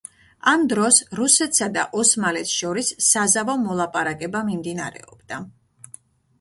ამ დროს რუსეთსა და ოსმალეთს შორის საზავო მოლაპარაკება მიმდინარეობდა.